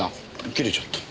切れちゃった。